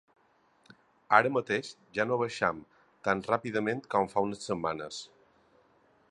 Ara mateix ja no baixem tan ràpidament com fa unes setmanes.